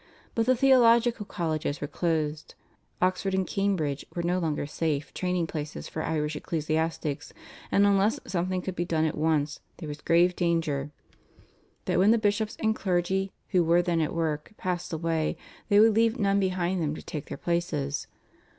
But the theological colleges were closed; Oxford and Cambridge were no longer safe training places for Irish ecclesiastics, and unless something could be done at once there was grave danger that when the bishops and clergy, who were then at work, passed away, they would leave none behind them to take their places.